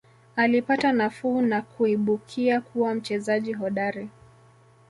Alipata nafuu na kuibukia kuwa mchezaji hodari